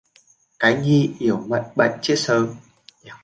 Cái nhi yểu bệnh chết sớm